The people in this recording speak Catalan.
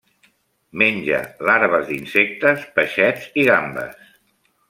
Menja larves d'insectes, peixets i gambes.